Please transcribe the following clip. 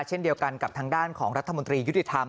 เช่นเดียวกันกับทางด้านของรัฐมนตรียุติธรรม